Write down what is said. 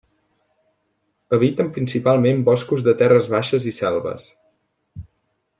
Habiten principalment boscos de terres baixes i selves.